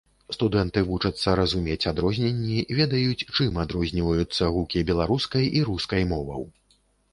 Студэнты вучацца разумець адрозненні, ведаюць, чым адрозніваюцца гукі беларускай і рускай моваў.